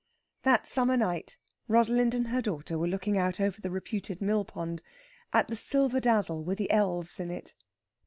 That summer night Rosalind and her daughter were looking out over the reputed mill pond at the silver dazzle with the elves in it.